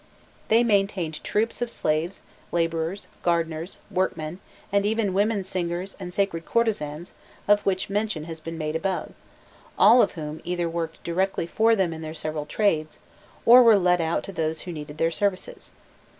They maintained troops of slaves, labourers, gardeners, workmen, and even women singers and sacred courtesans of which mention has been made above, all of whom either worked directly for them in their several trades, or were let out to those who needed their services.